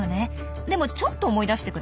でもちょっと思い出してください。